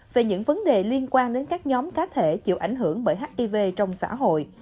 về những vấn đề liên quan đến các nhóm cá thể chịu ảnh hưởng bởi hiv trong xã hội